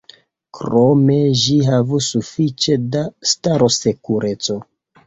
Krome ĝi havu sufiĉe da starosekureco.